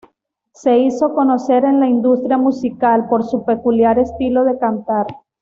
Se hizo conocer en la industria musical, por su peculiar estilo de cantar.